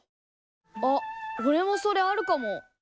あっおれもそれあるかも。